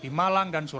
di malang jawa timur